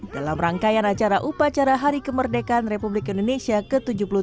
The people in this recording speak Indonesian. dalam rangkaian acara upacara hari kemerdekaan republik indonesia ke tujuh puluh tiga